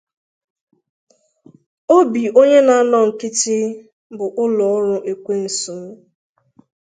obi onye na-anọ nkịtị bụ ụlọ ọrụ ekwensu.